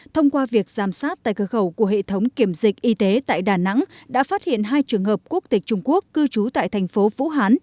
thông qua việc giám sát tại cơ khẩu của hệ thống kiểm dịch y tế tại đà nẵng đã phát hiện hai trường hợp quốc tịch trung quốc cư trú tại thành phố vũ hán